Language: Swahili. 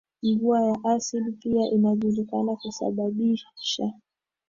Mvua ya asidi pia inajulikana kusababisha